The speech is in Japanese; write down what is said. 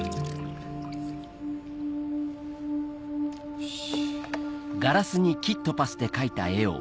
よし。